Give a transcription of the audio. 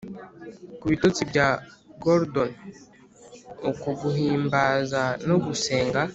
ku bitotsi bya gordon, uko guhimbaza no gusenga